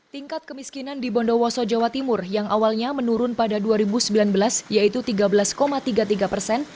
tingkat kemiskinan di bondowoso jawa timur yang awalnya menurun pada dua ribu sembilan belas yaitu tiga belas tiga puluh tiga persen